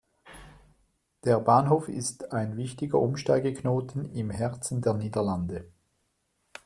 Der Bahnhof ist ein wichtiger Umsteigeknoten im Herzen der Niederlande.